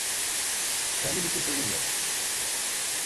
Kendim için söylemiyorum…